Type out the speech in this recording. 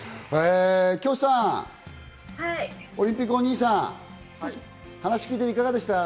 キョさん、オリンピックお兄さん、話聞いていていかがですか？